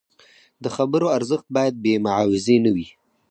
د خبرو ارزښت باید بې معاوضې نه وي.